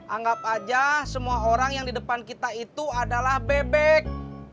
anggap aja semua orang yang di depan kita itu adalah bebek